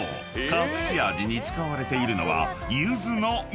隠し味に使われているのは］